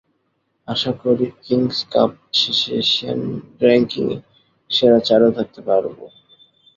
আশা করি, Kings Cup শেষে Asian র্যাঙ্কিংয়ে সেরা চারেও থাকতে পারব।